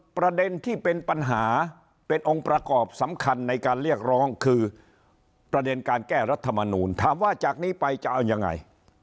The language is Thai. ประเด็นที่เป็นปัญหาเป็นองค์ประกอบสำคัญในการเรียกร้องคือประเด็นการแก้รัฐมนูลถามว่าจากนี้ไปจะเอายังไง